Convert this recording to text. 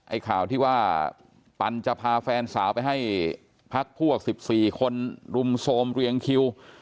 ข่าวที่ว่าปันจะพาแฟนสาวไปให้พักพวก๑๔คนรุมโทรมเรียงคิว